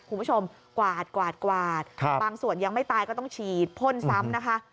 คุณผู้ชมกวาดกวาดกวาดบางส่วนยังไม่ตายก็ต้องฉีดพ่นซ้ำนะคะ